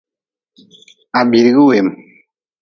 Ha biidigi weem.